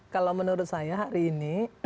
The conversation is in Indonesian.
kalau menurut saya hari ini